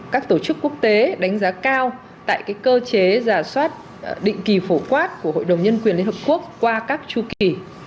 các tổ chức quốc tế đánh giá cao tại cơ chế giả soát định kỳ phổ quát của hội đồng nhân quyền lhq qua các chu kỳ